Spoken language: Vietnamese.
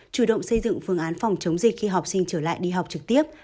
chủ động xây dựng phương án phòng chống dịch khi học sinh trở lại đi học trực tiếp